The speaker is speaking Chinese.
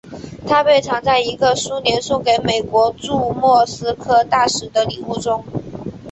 它被藏在一个苏联送给美国驻莫斯科大使的礼物中。